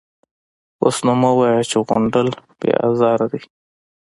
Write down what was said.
_اوس نو مه وايه چې غونډل بې ازاره دی.